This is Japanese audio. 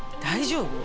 大丈夫？